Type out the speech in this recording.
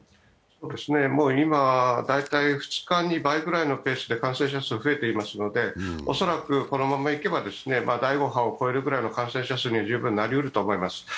もう今、大体２日で倍ぐらいのペースで感染者数増えてますので恐らくこのままいけば第５波を超えるくらいの感染者数には十分なりえると思います。